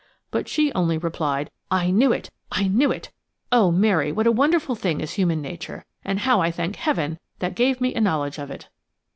But she only replied: "I knew it! I knew it! Oh, Mary, what a wonderful thing is human nature, and how I thank Heaven that gave me a knowledge of it!"